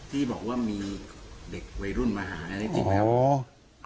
ที่บอกว่ามีเด็กวัยรุ่นมาหานั้นจริงไหมครับ